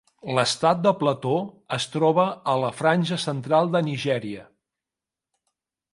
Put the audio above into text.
L'Estat de Plateau es troba a la franja central de Nigèria.